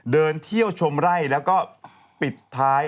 เดินเที่ยวชมไร่แล้วก็ปิดท้าย